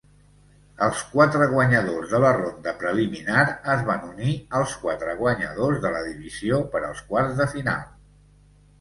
Els quatre guanyadors de la ronda preliminar es van unir als quatre guanyadors de la divisió per als quarts de final.